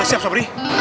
udah siap sobri